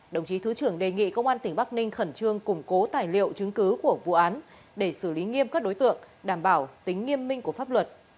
đồng chí thứ trưởng đề nghị công an tỉnh bắc ninh khẩn trương củng cố tài liệu chứng cứ của vụ án để xử lý nghiêm các đối tượng đảm bảo tính nghiêm minh của pháp luật